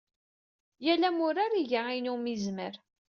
Yal amurar iga ayen umi yezmer.